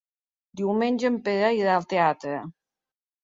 Diumenge en Pere irà al teatre.